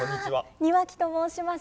庭木と申します。